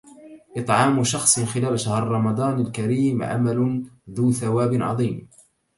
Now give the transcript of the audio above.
إطعام شخص خلال شهر رمضان الكريم عمل ذو ثواب عظيم.